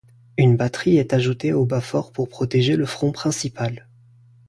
Une batterie est ajoutée au bas-fort pour protéger le front principal.